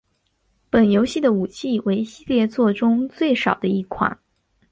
本游戏的武器为系列作中最少的一款。